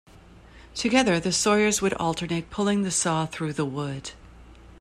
Together the sawyers would alternate pulling the saw through the wood.